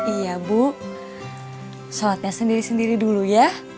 iya bu sholatnya sendiri sendiri dulu ya